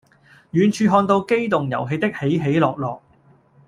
遠處看到機動遊戲的起起落落